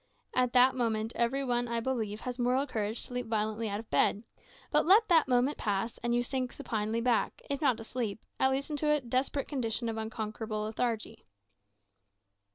At that moment every one, I believe, has moral courage to leap violently out of bed; but let that moment pass, and you sink supinely back, if not to sleep, at least into a desperate condition of unconquerable lethargy."